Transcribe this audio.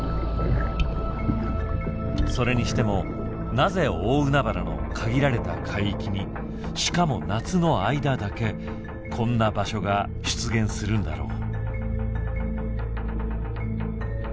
それにしてもなぜ大海原の限られた海域にしかも夏の間だけこんな場所が出現するんだろう？